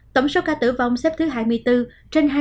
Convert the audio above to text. tổng số ca tử vong xếp thứ hai mươi bốn trên hai trăm hai mươi năm ca